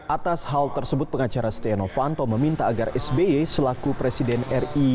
atas hal tersebut pengacara setia novanto meminta agar sby selaku presiden ri